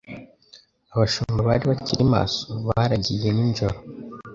abashumba bari bakiri maso baragiye ninjoro